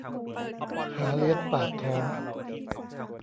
หาเลี้ยงปากท้อง